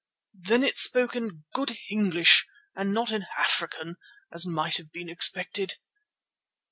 Then it spoke in good English and not in African as might have been expected.